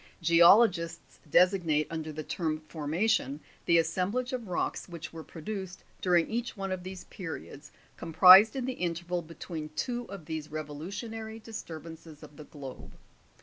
9. Geologists designate under the term formation, the assem blage of rocks which were produced during each one of these periods comprised in the interval between two of these revolu tionary disturbances of the globe.